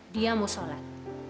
dia mau sholat